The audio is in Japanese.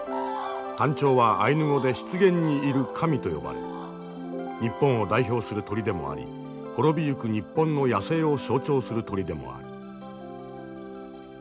タンチョウはアイヌ語で「湿原にいる神」と呼ばれ日本を代表する鳥でもあり滅びゆく日本の野生を象徴する鳥でもある。